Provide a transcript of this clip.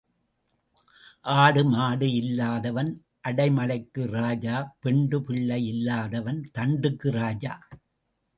ஆடு மாடு இல்லாதவன் அடைமழைக்கு ராஜா பெண்டு பிள்ளை இல்லாதவன் தண்டுக்கு ராஜா.